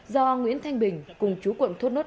do nguyễn thanh bình cùng chú quận thốt nốt